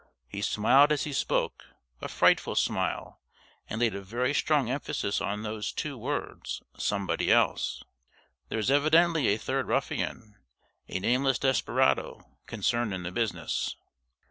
He smiled as he spoke a frightful smile and laid a very strong emphasis on those two words, "Somebody else." There is evidently a third ruffian, a nameless desperado, concerned in the business.